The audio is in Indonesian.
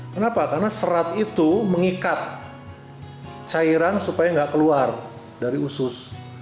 kenapa karena serat itu mengikat cairan supaya nggak keluar dari usus